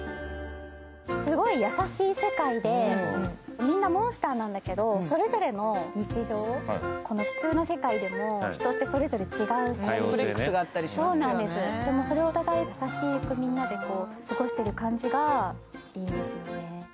すごい優しい世界で、みんなモンスターなんだけどそれぞれの日常、この普通の世界でも人ってそれぞれ違うし、でもそれをお互い優しくみんなで過ごしている感じがいいんですよね。